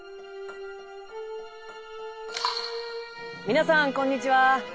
皆さんこんにちは。